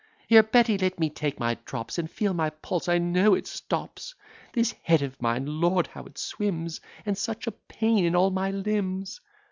"Here, Betty, let me take my drops; And feel my pulse, I know it stops; This head of mine, lord, how it swims! And such a pain in all my limbs!"